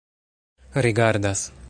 rigardas